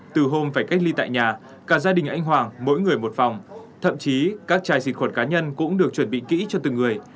từ hôm phải cách ly tại nhà cả gia đình anh hoàng mỗi người một phòng thậm chí các chai diệt khuẩn cá nhân cũng được chuẩn bị kỹ cho từng người